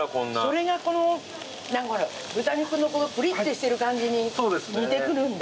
それが豚肉のプリッとしてる感じに似てくるんだ。